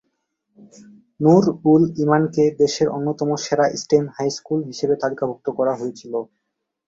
নূর-উল-ইমানকে দেশের অন্যতম সেরা স্টেম হাই স্কুল হিসাবে তালিকাভুক্ত করা হয়েছিল।